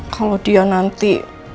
kalau dia nanti